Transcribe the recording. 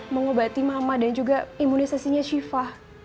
mengobati mama dan juga imunisasinya shiva